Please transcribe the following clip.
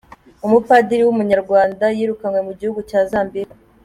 Umupadiri w’umunyarwanda yirukanwe mu gihugu cya Zambia